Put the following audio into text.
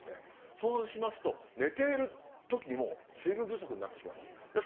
そうしますと、寝ているときにも水分不足になってしまうんです。